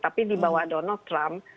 tapi di bawah donald trump